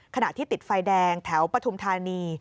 ขณะที่ติดไฟแดงแถวปฐุมธานี